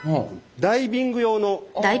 ダイビング用の。